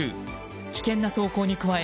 危険な走行に加え